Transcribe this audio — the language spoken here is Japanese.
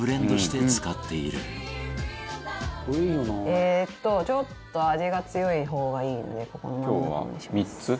えーっとちょっと味が強い方がいいのでここの真ん中のにします。